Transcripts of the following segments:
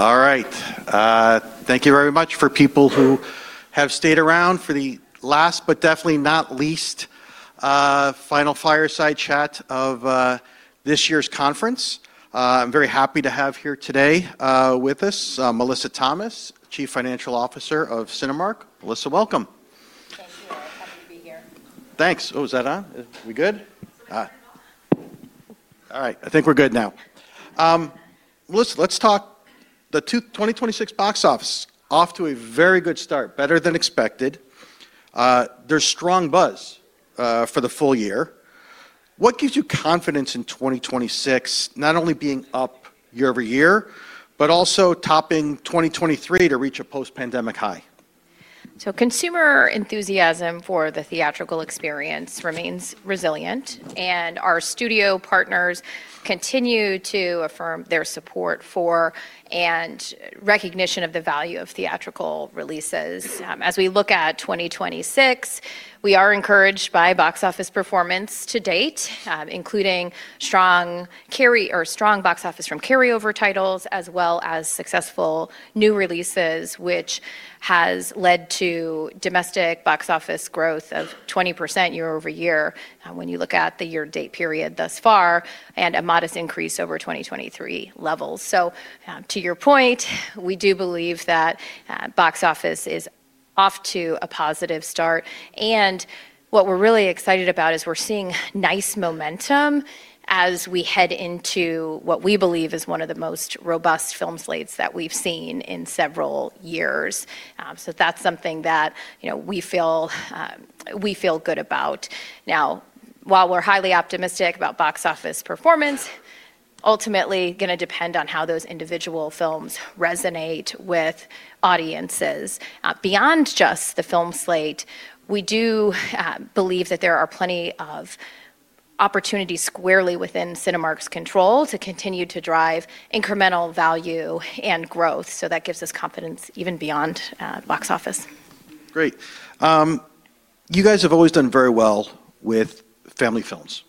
All right. Thank you very much for people who have stayed around for the last, but definitely not least, final fireside chat of this year's conference. I'm very happy to have here today, with us, Melissa Thomas, Chief Financial Officer of Cinemark. Melissa, welcome. Thank you, Eric. Happy to be here. Thanks. Melissa, let's talk the 2026 box office, off to a very good start, better than expected. There's strong buzz for the full year. What gives you confidence in 2026, not only being up year-over-year, but also topping 2023 to reach a post-pandemic high? Consumer enthusiasm for the theatrical experience remains resilient, and our studio partners continue to affirm their support for and recognition of the value of theatrical releases. As we look at 2026, we are encouraged by box office performance to date, including strong box office from carryover titles, as well as successful new releases, which has led to domestic box office growth of 20% year-over-year when you look at the year-to-date period thus far, and a modest increase over 2023 levels. To your point, we do believe that box office is off to a positive start, and what we're really excited about is we're seeing nice momentum as we head into, what we believe, is one of the most robust film slates that we've seen in several years. That's something that, you know, we feel good about. Now, while we're highly optimistic about box office performance, ultimately gonna depend on how those individual films resonate with audiences. Beyond just the film slate, we do believe that there are plenty of opportunities squarely within Cinemark's control to continue to drive incremental value and growth, so that gives us confidence even beyond box office. Great. You guys have always done very well with family films.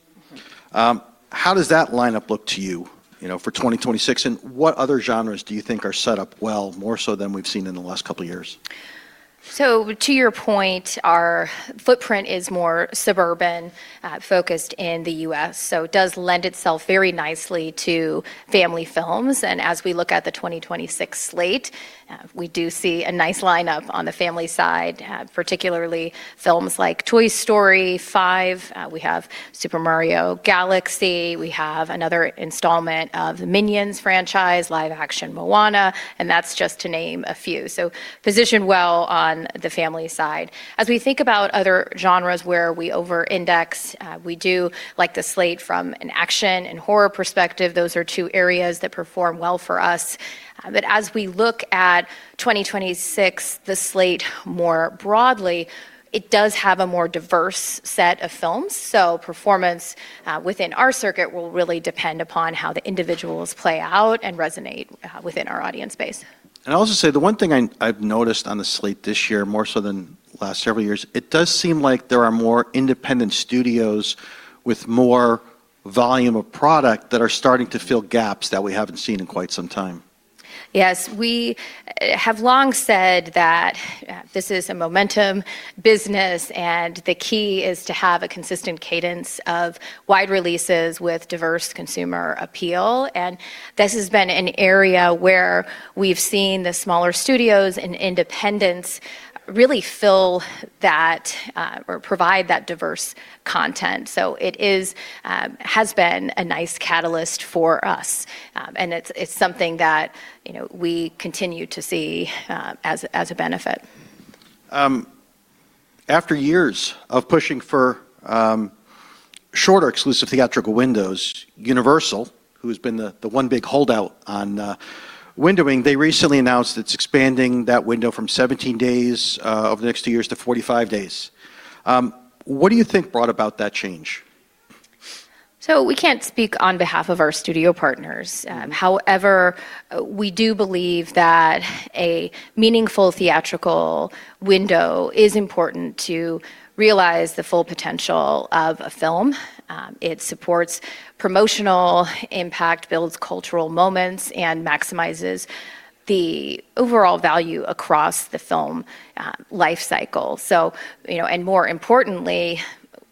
How does that lineup look to you know, for 2026, and what other genres do you think are set up well, more so than we've seen in the last couple years? To your point, our footprint is more suburban, focused in the U.S., so it does lend itself very nicely to family films. As we look at the 2026 slate, we do see a nice lineup on the family side, particularly films like Toy Story 5, we have Super Mario Galaxy, we have another installment of the Minions franchise, live-action Moana, and that's just to name a few. Positioned well on the family side. As we think about other genres where we over-index, we do like the slate from an action and horror perspective. Those are two areas that perform well for us. As we look, at 2026, the slate more broadly, it does have a more diverse set of films, so performance within our circuit will really depend upon how the individuals play out and resonate within our audience base. I'll just say, the one thing I've noticed on the slate this year, more so than the last several years, it does seem like there are more independent studios with more volume of product that are starting to fill gaps that we haven't seen in quite some time. Yes. We have long said that this is a momentum business, and the key is to have a consistent cadence of wide releases with diverse consumer appeal. This has been an area where we've seen the smaller studios and independents really fill that, or provide that diverse content. It has been a nice catalyst for us, and it's something that, you know, we continue to see as a benefit. After years of pushing for shorter exclusive theatrical windows, Universal, who's been the one big holdout on windowing, they recently announced it's expanding that window from 17 days over the next two years to 45 days. What do you think brought about that change? We can't speak on behalf of our studio partners. However, we do believe that a meaningful theatrical window is important to realize the full potential of a film. It supports promotional impact, builds cultural moments, and maximizes the overall value across the film life cycle. You know, and more importantly,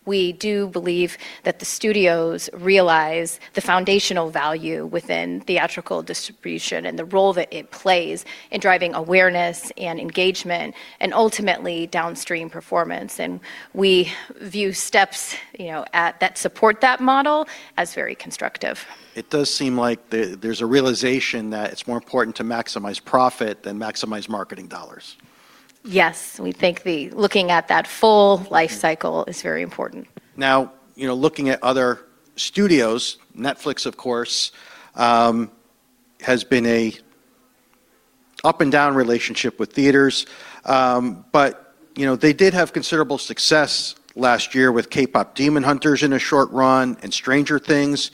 we do believe that the studios realize the foundational value within theatrical distribution and the role that it plays in driving awareness and engagement and, ultimately, downstream performance, and we view steps, you know, that support that model as very constructive. It does seem like there's a realization that it's more important to maximize profit than maximize marketing dollars. Yes. We think looking at that full life cycle is very important. Now, you know, looking at other studios, Netflix, of course, has been an up-and-down relationship with theaters. You know, they did have considerable success last year with KPop Demon Hunters in a short run and Stranger Things.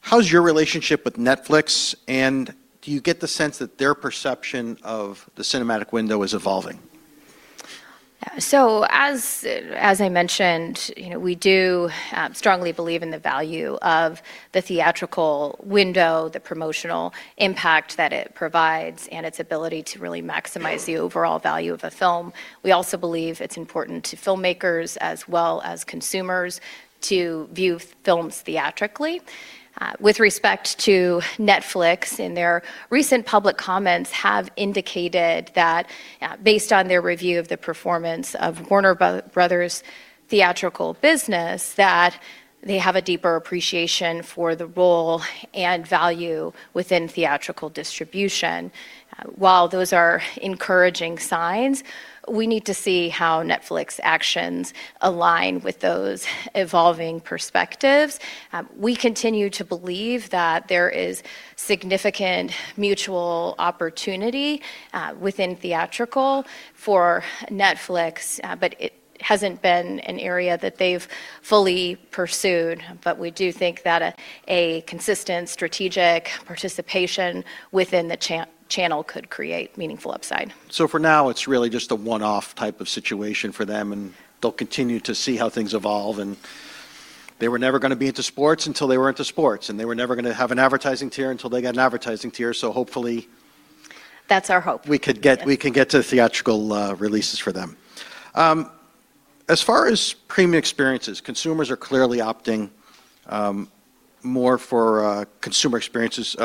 How's your relationship with Netflix, and do you get the sense that their perception of the cinematic window is evolving? As I mentioned, you know, we strongly believe in the value of the theatrical window, the promotional impact that it provides, and its ability to really maximize the overall value of a film. We also believe it's important to filmmakers as well as consumers to view films theatrically. With respect to Netflix and their recent public comments have indicated that, based on their review of the performance of Warner Bros. theatrical business, that they have a deeper appreciation for the role and value within theatrical distribution. While those are encouraging signs, we need to see how Netflix actions align with those evolving perspectives. We continue to believe that there is significant mutual opportunity within theatrical for Netflix, but it hasn't been an area that they've fully pursued. We do think that a consistent strategic participation within the channel could create meaningful upside. For now, it's really just a one-off type of situation for them, and they'll continue to see how things evolve, and they were never gonna be into sports until they were into sports, and they were never gonna have an advertising tier until they got an advertising tier. So hopefully- That's our hope.... we can get to theatrical releases for them. As far as premium experiences, consumers are clearly opting more for consumer experiences,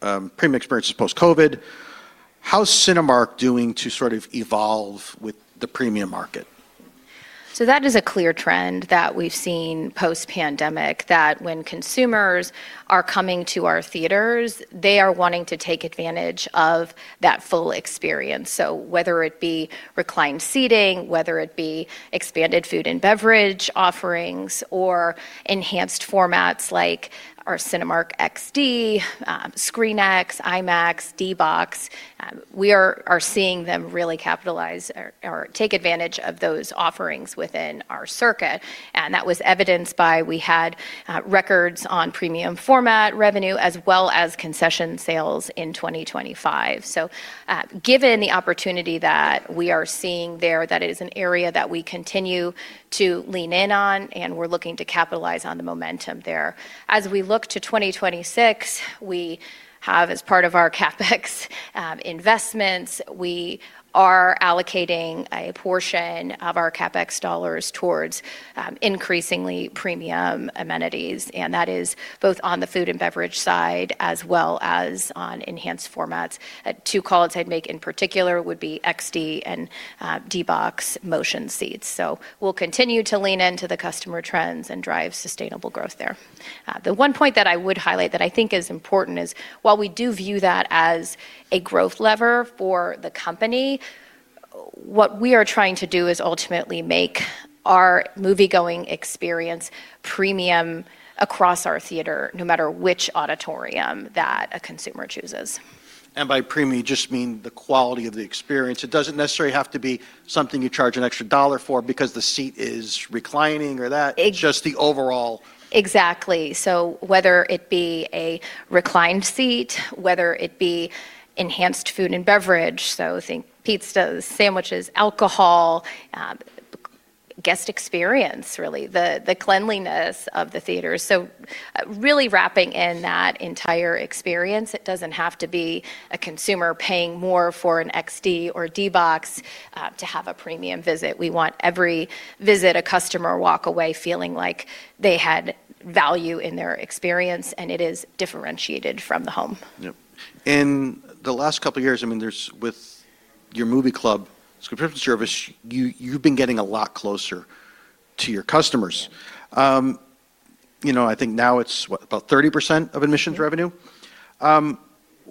premium experiences post-COVID. How's Cinemark doing to sort of evolve with the premium market? That is a clear trend that we've seen post-pandemic, that when consumers are coming to our theaters, they are wanting to take advantage of that full experience. Whether it be reclined seating, whether it be expanded food and beverage offerings, or enhanced formats like our Cinemark XD, ScreenX, IMAX, D-BOX, we are seeing them really capitalize or take advantage of those offerings within our circuit, and that was evidenced by, we had records on premium format revenue as well as concession sales in 2025. Given the opportunity that we are seeing there, that is an area that we continue to lean in on, and we're looking to capitalize on the momentum there. As we look to 2026, we have, as part of our CapEx investments, we are allocating a portion of our CapEx dollars towards increasingly premium amenities, and that is both on the food and beverage side, as well as on enhanced formats. Two calls I'd make in particular would be XD and D-BOX motion seats. We'll continue to lean into the customer trends and drive sustainable growth there. The one point that I would highlight that I think is important is, while we do view that as a growth lever for the company, what we are trying to do is ultimately make our moviegoing experience premium across our theater, no matter which auditorium that a consumer chooses. By premium, you just mean the quality of the experience. It doesn't necessarily have to be something you charge an extra dollar for because the seat is reclining or that. Just the overall. Exactly. Whether it be a reclined seat, whether it be enhanced food and beverage, so think pizzas, sandwiches, alcohol, guest experience, really, the cleanliness of the theater. Really wrapping in that entire experience. It doesn't have to be a consumer paying more for an XD or D-BOX to have a premium visit. We want every visit, a customer walk away feeling like they had value in their experience, and it is differentiated from the home. Yep. In the last couple years, I mean, with your Movie Club subscription service, you've been getting a lot closer to your customers. You know, I think now it's what? About 30% of admissions revenue? Yeah.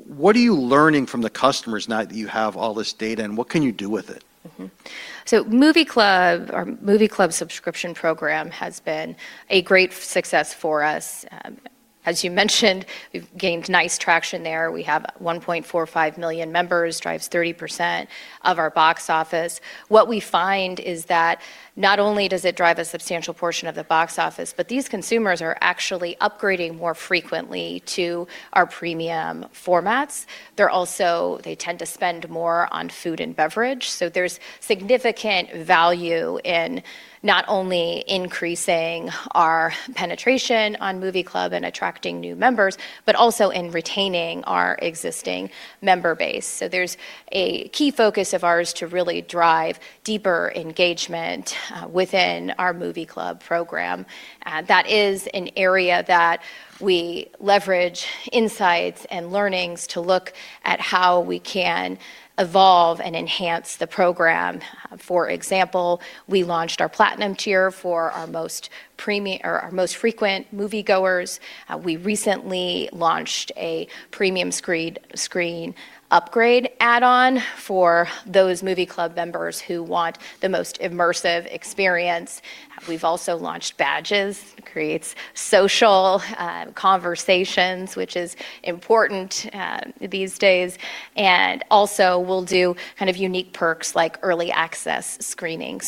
What are you learning from the customers now that you have all this data, and what can you do with it? Movie Club, our Movie Club subscription program, has been a great success for us. As you mentioned, we've gained nice traction there. We have 1.45 million members, drives 30% of our box office. What we find is that not only does it drive a substantial portion of the box office, but these consumers are actually upgrading more frequently to our premium formats. They tend to spend more on food and beverage. There's significant value in not only increasing our penetration on Movie Club and attracting new members, but also in retaining our existing member base. There's a key focus of ours to really drive deeper engagement within our Movie Club program. That is an area that we leverage insights and learnings to look at how we can evolve and enhance the program. For example, we launched our Platinum tier for our most frequent moviegoers. We recently launched a premium screen upgrade add-on for those Movie Club members who want the most immersive experience. We've also launched badges that create social conversations, which is important these days. We'll do kind of unique perks, like early access screening.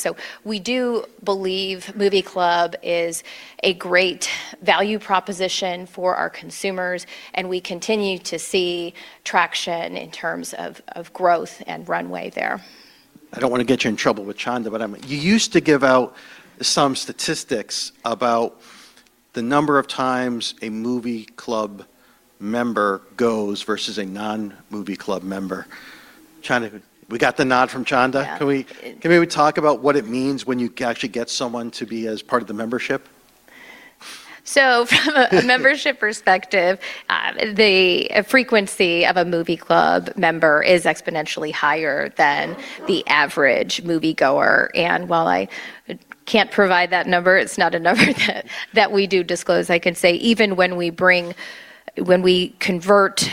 We do believe Movie Club is a great value proposition for our consumers, and we continue to see traction in terms of growth and runway there. I don't wanna get you in trouble with Chanda, but you used to give out some statistics about the number of times a Movie Club member goes versus a non-Movie Club member. Chanda, we got the nod from Chanda. Yeah. Can we talk about what it means when you actually get someone to be a part of the membership? From a membership perspective, the frequency of a Movie Club member is exponentially higher than the average moviegoer. While I can't provide that number, it's not a number that we do disclose. I can say even when we convert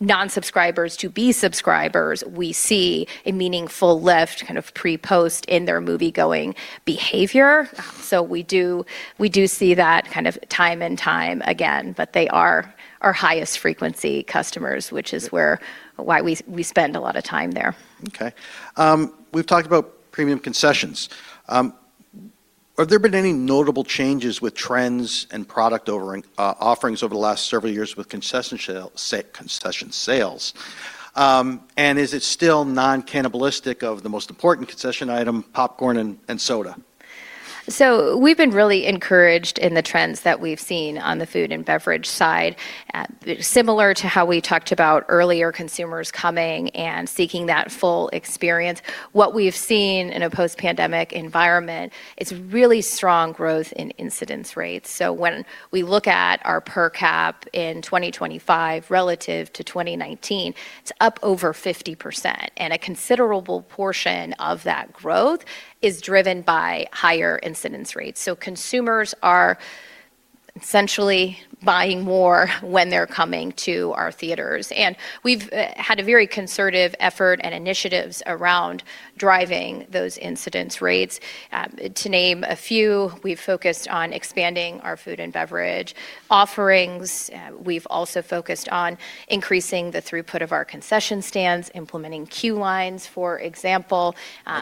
non-subscribers to be subscribers, we see a meaningful lift kind of pre/post in their moviegoing behavior. We do see that kind of time and time again, but they are our highest frequency customers, which is why we spend a lot of time there. Okay. We've talked about premium concessions. Have there been any notable changes with trends and product offerings over the last several years with concession sales? Is it still non-cannibalistic of the most important concession item, popcorn and soda? We've been really encouraged in the trends that we've seen on the food and beverage side. Similar to how we talked about earlier consumers coming and seeking that full experience, what we've seen in a post-pandemic environment is really strong growth in incidence rates. When we look at our per cap in 2025 relative to 2019, it's up over 50%, and a considerable portion of that growth is driven by higher incidence rates. Consumers are essentially buying more when they're coming to our theaters. We've had a very conservative effort and initiatives around driving those incidence rates. To name a few, we've focused on expanding our food and beverage offerings. We've also focused on increasing the throughput of our concession stands, implementing queue lines, for example-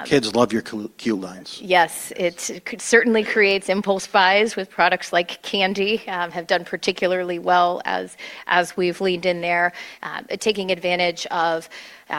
Kids love your queue lines. Yes. It certainly creates impulse buys with products, like candy have done particularly well as we've leaned in there. Taking advantage of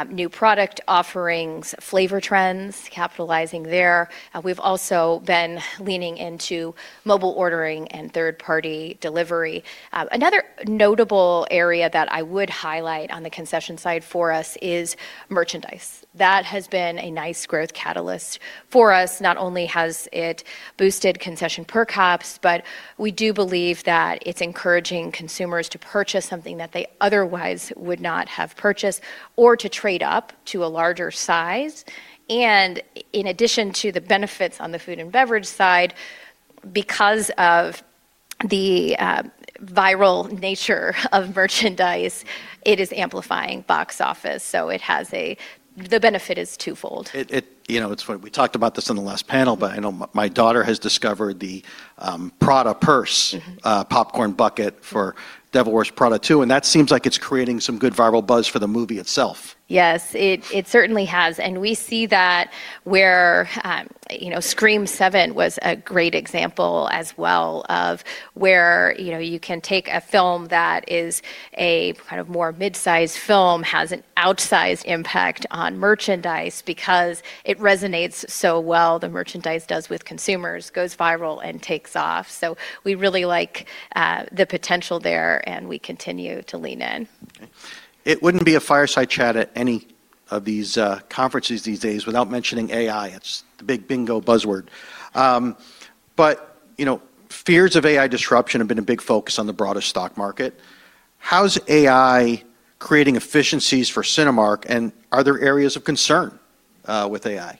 new product offerings, flavor trends, capitalizing there. We've also been leaning into mobile ordering and third-party delivery. Another notable area that I would highlight on the concession side for us is merchandise. That has been a nice growth catalyst for us. Not only has it boosted concession per caps, but we do believe that it's encouraging consumers to purchase something that they otherwise would not have purchased or to trade up to a larger size. In addition to the benefits on the food and beverage side, because of the viral nature of merchandise, it is amplifying box office, so the benefit is twofold. You know, it's funny, we talked about this on the last panel, but I know my daughter has discovered the Prada purse popcorn bucket for The Devil Wears Prada 2, and that seems like it's creating some good viral buzz for the movie itself. Yes, it certainly has. We see that where, you know--Scream 7 was a great example as well of where, you know, you can take a film that is a kind of more mid-sized film has an outsized impact on merchandise because it resonates so well, the merchandise does with consumers, goes viral and takes off. We really like the potential there, and we continue to lean in. Okay. It wouldn't be a fireside chat at any of these conferences these days without mentioning AI. It's the big bingo buzzword. You know, fears of AI disruption have been a big focus on the broader stock market. How's AI creating efficiencies for Cinemark, and are there areas of concern with AI?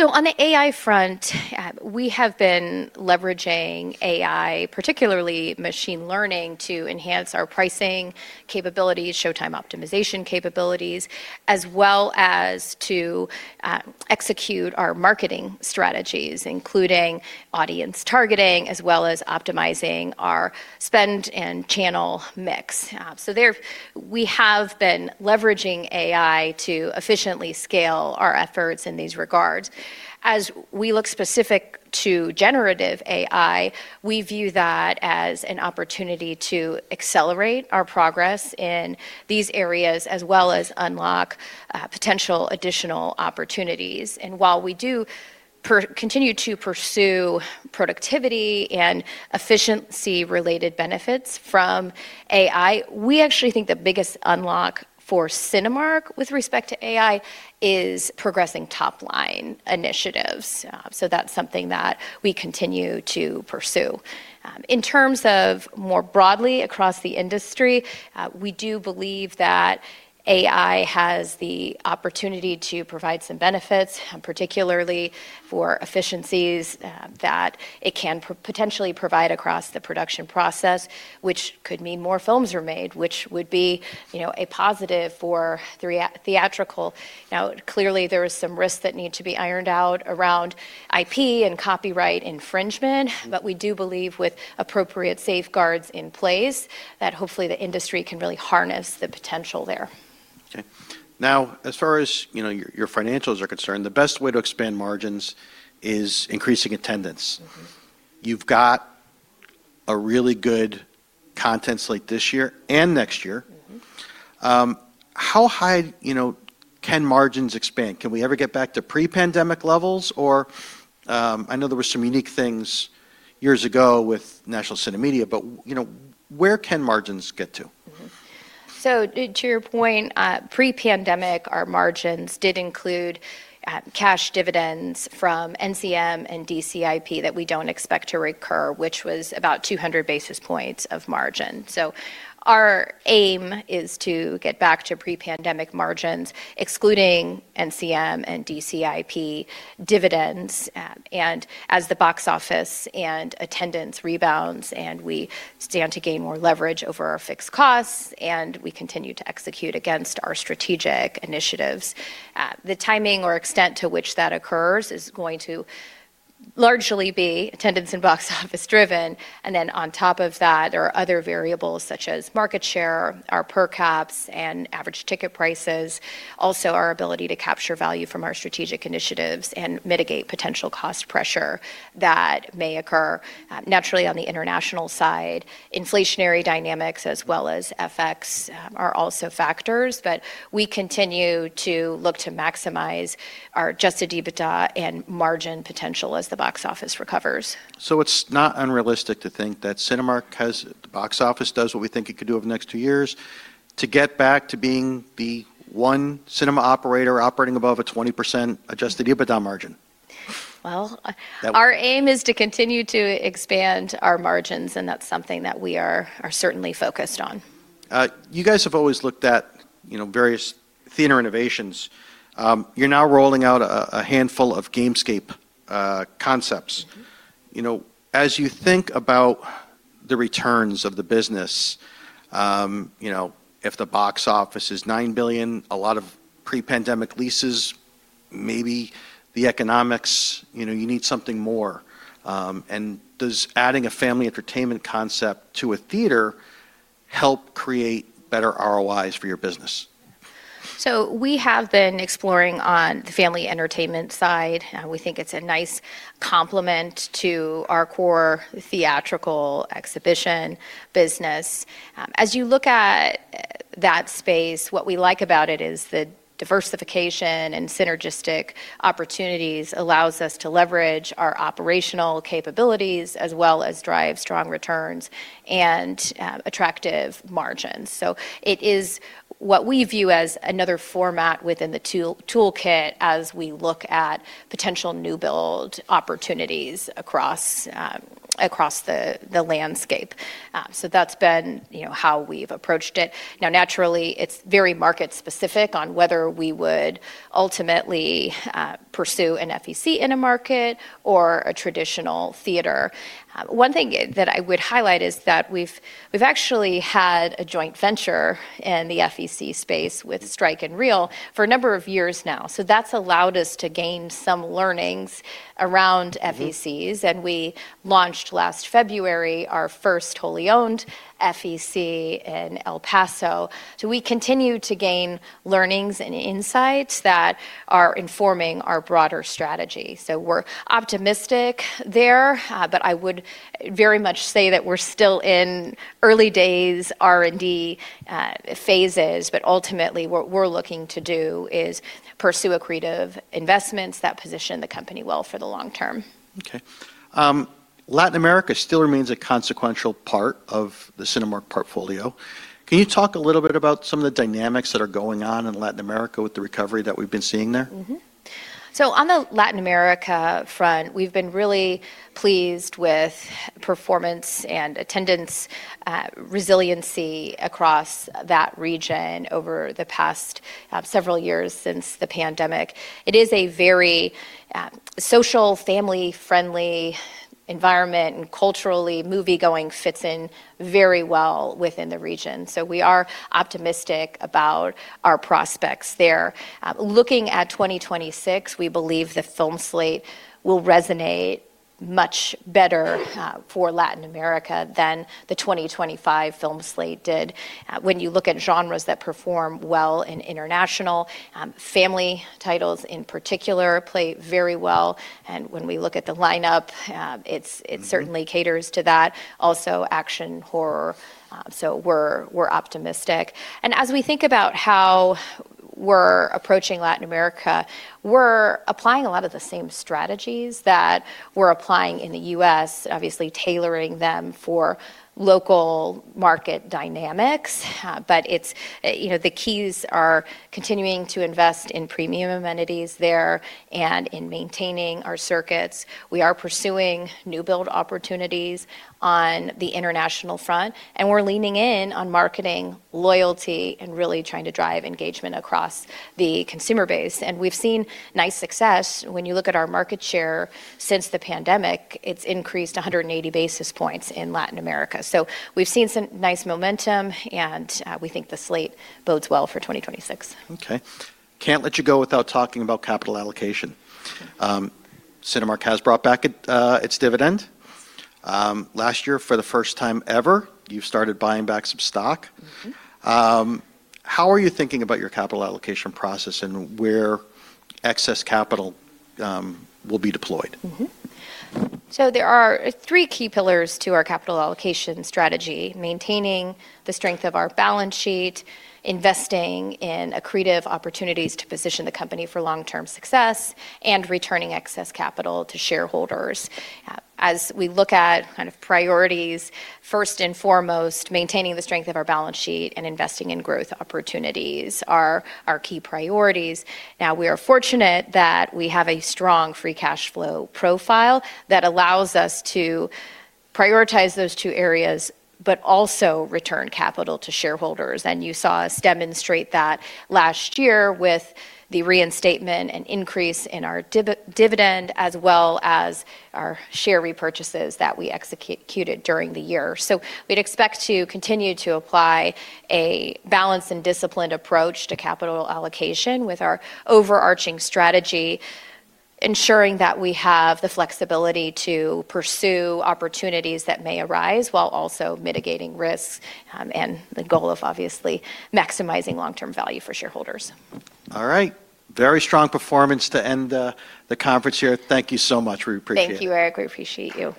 On the AI front, we have been leveraging AI, particularly machine learning, to enhance our pricing capabilities, showtime optimization capabilities, as well as to execute our marketing strategies, including audience targeting, as well as optimizing our spend and channel mix. There we have been leveraging AI to efficiently scale our efforts in these regards. As we look specific to generative AI, we view that as an opportunity to accelerate our progress in these areas, as well as unlock potential additional opportunities. While we do continue to pursue productivity and efficiency-related benefits from AI, we actually think the biggest unlock for Cinemark with respect to AI is progressing top-line initiatives. That's something that we continue to pursue. In terms of, more broadly across the industry, we do believe that AI has the opportunity to provide some benefits, particularly for efficiencies, that it can potentially provide across the production process, which could mean more films are made, which would be, you know, a positive for theatrical. Now, clearly, there are some risks that need to be ironed out around IP and copyright infringement, but we do believe with appropriate safeguards in place that hopefully the industry can really harness the potential there. Okay. Now, as far as, you know, your financials are concerned, the best way to expand margins is increasing attendance. You've got a really good content slate this year and next year. How high, you know, can margins expand? Can we ever get back to pre-pandemic levels? I know there were some unique things years ago with National CineMedia, but, you know, where can margins get to? To your point, pre-pandemic, our margins did include cash dividends from NCM and DCIP that we don't expect to recur, which was about 200 basis points of margin. Our aim is to get back to pre-pandemic margins, excluding NCM and DCIP dividends. As the box office and attendance rebounds, and we stand to gain more leverage over our fixed costs, and we continue to execute against our strategic initiatives, the timing or extent to which that occurs is going to largely be attendance and box office driven, and then on top of that, there are other variables such as market share, our per caps and average ticket prices. Also, our ability to capture value from our strategic initiatives and mitigate potential cost pressure that may occur. Naturally, on the international side, inflationary dynamics as well as FX are also factors. We continue to look to maximize our adjusted EBITDA and margin potential as the box office recovers. It's not unrealistic to think that Cinemark has, the box office does what we think it could do over the next two years to get back to being the one cinema operator operating above a 20% adjusted EBITDA margin. Well- That would- Our aim is to continue to expand our margins, and that's something that we are certainly focused on. You guys have always looked at, you know, various theater innovations. You're now rolling out a handful of Gamescape concepts. You know, as you think about the returns of the business, you know, if the box office is $9 billion, a lot of pre-pandemic leases, maybe the economics, you know, you need something more. Does adding a family entertainment concept to a theater help create better ROIs for your business? We have been exploring on the family entertainment side. We think it's a nice complement to our core theatrical exhibition business. As you look at that space, what we like about it is the diversification and synergistic opportunities allows us to leverage our operational capabilities as well as drive strong returns and attractive margins. It is what we view as another format within the toolkit as we look at potential new build opportunities across the landscape. That's been, you know, how we've approached it. Now, naturally, it's very market specific on whether we would ultimately pursue an FEC in a market or a traditional theater. One thing that I would highlight is that we've actually had a joint venture in the FEC space with Strike + Reel for a number of years now. That's allowed us to gain some learnings around FECs, and we launched last February our first wholly owned FEC in El Paso.W e continue to gain learnings and insights that are informing our broader strategy. We're optimistic there, but I would very much say that we're still in early days R&D phases. Ultimately, what we're looking to do is pursue accretive investments that position the company well for the long term. Okay. Latin America still remains a consequential part of the Cinemark portfolio. Can you talk a little bit about some of the dynamics that are going on in Latin America with the recovery that we've been seeing there? On the Latin America front, we've been really pleased with performance and attendance resiliency across that region over the past several years since the pandemic. It is a very social, family-friendly environment, and culturally, moviegoing fits in very well within the region. We are optimistic about our prospects there. Looking at 2026, we believe the film slate will resonate much better for Latin America than the 2025 film slate did. When you look at genres that perform well in international, family titles in particular play very well. When we look at the lineup, it certainly caters to that. Also, action, horror, so we're optimistic. As we think about how we're approaching Latin America, we're applying a lot of the same strategies that we're applying in the U.S., obviously tailoring them for local market dynamics. It's, you know, the keys are continuing to invest in premium amenities there and in maintaining our circuits. We are pursuing new build opportunities on the international front, and we're leaning in on marketing loyalty and really trying to drive engagement across the consumer base. We've seen nice success. When you look at our market share since the pandemic, it's increased 180 basis points in Latin America. We've seen some nice momentum, and we think the slate bodes well for 2026. Okay. Can't let you go without talking about capital allocation. Cinemark has brought back its dividend. Last year, for the first time ever, you've started buying back some stock. How are you thinking about your capital allocation process and where excess capital will be deployed? There are three key pillars to our capital allocation strategy, maintaining the strength of our balance sheet, investing in accretive opportunities to position the company for long-term success, and returning excess capital to shareholders. As we look at kind of priorities, first and foremost, maintaining the strength of our balance sheet and investing in growth opportunities are our key priorities. Now, we are fortunate that we have a strong free cash flow profile that allows us to prioritize those two areas but also return capital to shareholders. You saw us demonstrate that last year with the reinstatement and increase in our dividend as well as our share repurchases that we executed during the year. We'd expect to continue to apply a balanced and disciplined approach to capital allocation with our overarching strategy, ensuring that we have the flexibility to pursue opportunities that may arise while also mitigating risks, and the goal of obviously maximizing long-term value for shareholders. All right. Very strong performance to end the conference here. Thank you so much. We appreciate it. Thank you, Eric. We appreciate you.